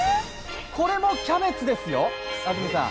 これもキャベツですよ、安住さん。